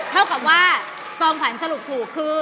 เท่ากับว่าจอมขวัญสรุปถูกคือ